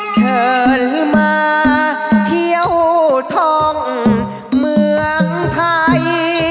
เชิญมาเที่ยวทองเมืองไทย